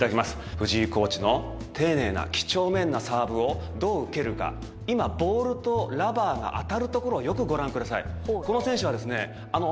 藤井コーチの丁寧な几帳面なサーブをどう受けるか今ボールとラバーが当たる所をよくご覧ください